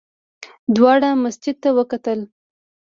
دواړو جسد ته وکتل.